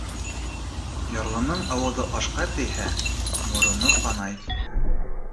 Ярлының ауыҙы ашҡа тейһә, мороно ҡанай.